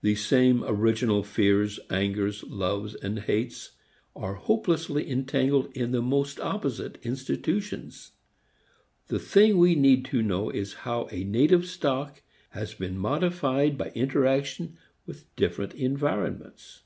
The same original fears, angers, loves and hates are hopelessly entangled in the most opposite institutions. The thing we need to know is how a native stock has been modified by interaction with different environments.